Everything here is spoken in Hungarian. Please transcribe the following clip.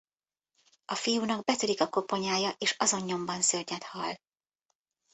A fiúnak betörik a koponyája és azon nyomban szörnyethal.